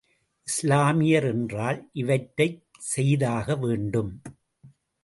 இஸ்லாமியர் என்றால், இவற்றைச் செய்தாக வேண்டும்.